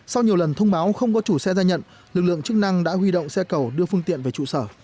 sau nhiều lần thông báo không có chủ xe ra nhận lực lượng chức năng đã huy động xe cầu đưa phương tiện về trụ sở